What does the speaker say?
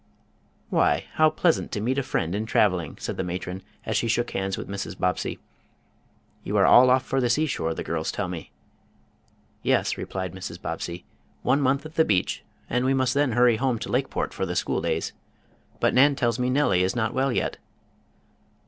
"Why, how pleasant to meet a friend in traveling!" said the matron as she shook hands with Mrs. Bobbsey. "You are all off for the seashore, the girls tell me." "Yes," replied Mrs. Bobbsey. "One month at the beach, and we must then hurry home to Lakeport for the school days. But Nan tells me little Nellie is not well yet?"